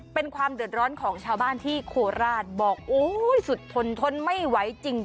เป็นความเดือดร้อนของชาวบ้านที่โคราชบอกโอ้ยสุดทนทนไม่ไหวจริง